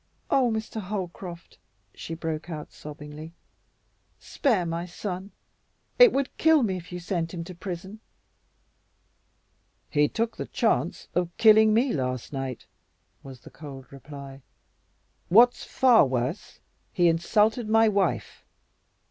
"Oh, Mr. Holcroft!" she broke out sobbingly, "spare my son. It would kill me if you sent him to prison." "He took the chance of killing me last night," was the cold reply. "What's far worse, he insulted my wife."